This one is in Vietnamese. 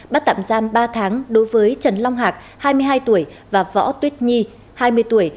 bắt tạm giam ba tháng đối với trần long hạc hai mươi hai tuổi và võ tuyết nhi hai mươi tuổi